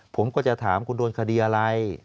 ผมก็จะถามคุณโดนคดีอะไร